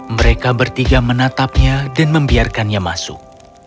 mereka bertiga menatapnya dan membiarkannya masuk